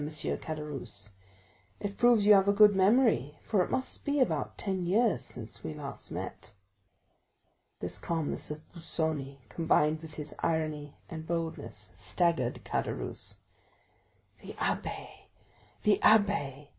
Caderousse; it proves you have a good memory, for it must be about ten years since we last met." This calmness of Busoni, combined with his irony and boldness, staggered Caderousse. "The abbé, the abbé!"